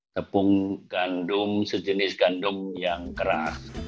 tepung gandum sejenis gandum yang keras